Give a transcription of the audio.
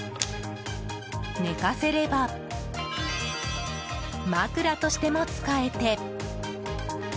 寝かせれば枕としても使えて。